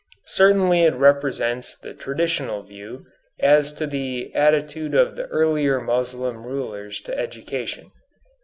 Certainly it represents the traditional view as to the attitude of the earlier Moslem rulers to education.